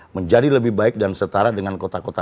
menjadi lebih baik dan setara dengan kota kota